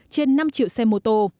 trên năm triệu xe mô tô